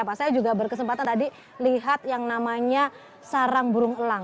nah bunganya mangrove itu saya juga berkesempatan tadi lihat yang namanya sarang burung elang